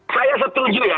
saya setuju ya